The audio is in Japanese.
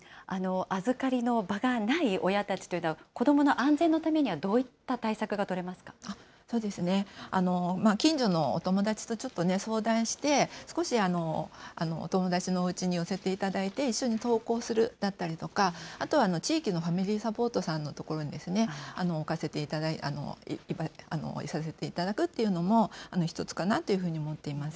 預かりの場がない親たちというのは、子どもの安全のためには近所のお友達とちょっと相談して、少しお友達のおうちに寄せていただいて、一緒に登校するだったりとか、あとは、地域のファミリーサポートさんのところに置かせていただく、いさせていただくというのも、１つかなというふうに思っています。